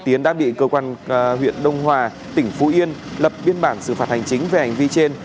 tiến đã bị cơ quan huyện đông hòa tỉnh phú yên lập biên bản xử phạt hành chính về hành vi trên